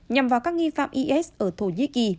nhằm vào các nghi phạm is ở thổ nhĩ kỳ